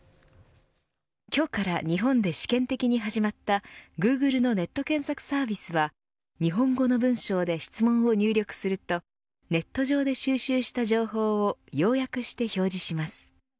今日から日本で試験的に始まったグーグルのネット検索サービスは日本語の文章で質問を入力するとネット上で収集した情報を要約して表示します。